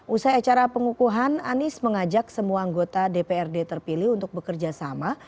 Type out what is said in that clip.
usai acara pengukuhan anies mengajak semua anggota dprd terpilih untuk bekerja sama